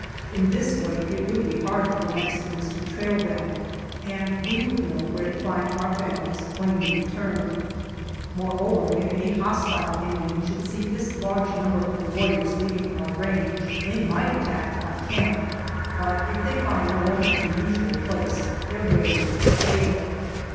In this way it would be hard for the Mexicans to trail them and we would know where to find our families when we returned. Moreover, 73 GERONIMO if any hostile Indians should see this large number of warriors leaving our range they might attack our camp, but if they found no one at the usual place their raid would fail.